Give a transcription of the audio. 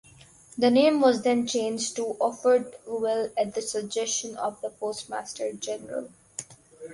The name was then changed to Orfordville at the suggestion of the postmaster general.